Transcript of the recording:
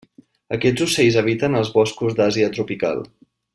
Aquests ocells habiten als boscos d'Àsia tropical.